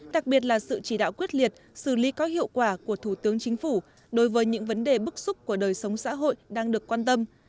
đặc biệt là sự chỉ đạo quyết liệt xử lý có hiệu quả của thủ tướng chính phủ đối với những vấn đề bức xúc của đời sống xã hội đang được quan tâm